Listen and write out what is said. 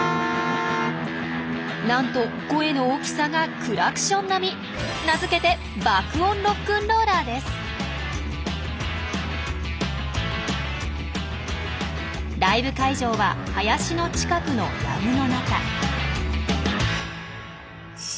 なんと声の大きさがクラクション並み。名付けてライブ会場は林の近くの藪の中。